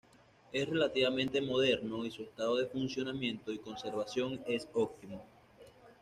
Es relativamente moderno y su estado de funcionamiento y conservación es óptimo.